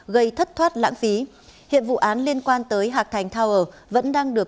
gây thất thoát lãng phí hiện vụ án liên quan tới hạc thành tower vẫn đang được